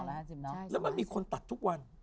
แล้วมันมีคนตัดทุกวัน